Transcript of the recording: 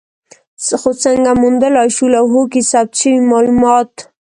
خو څنګه موندلای شو لوحو کې ثبت شوي مالومات؟